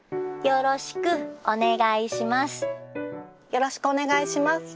よろしくお願いします。